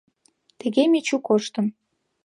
Тыге Мичу коштын.